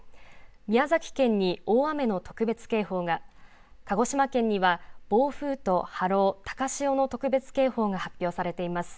宮崎県に大雨の特別警報が鹿児島県には暴風と波浪、高潮の特別警報が発表されています。